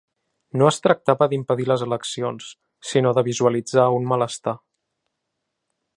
No es tractava d’impedir les eleccions, sinó de visualitzar un malestar.